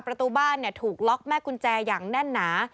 ประตูบ้านถูกล็อกแม่กุญแจอย่างแน่นหนา